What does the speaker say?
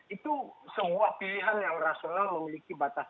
itu semua pilihan yang rasional memiliki batas